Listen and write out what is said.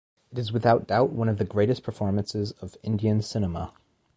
It is without doubt one of the greatest performances of Indian cinema.